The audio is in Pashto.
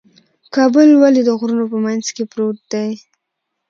کابل ولې د غرونو په منځ کې پروت دی؟